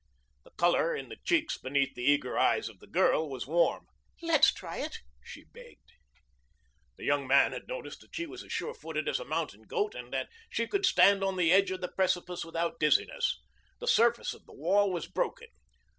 The color in the cheeks beneath the eager eyes of the girl was warm. "Let's try it," she begged. The young man had noticed that she was as sure footed as a mountain goat and that she could stand on the edge of a precipice without dizziness. The surface of the wall was broken.